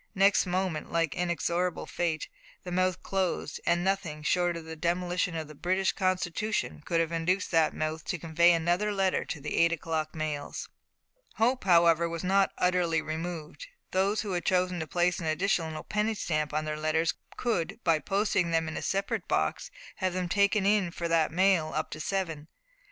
Next moment, like inexorable fate, the mouth closed, and nothing short of the demolition of the British Constitution could have induced that mouth to convey another letter to the eight o'clock mails. Hope, however, was not utterly removed. Those who chose to place an additional penny stamp on their letters could, by posting them in a separate box, have them taken in for that mail up to seven.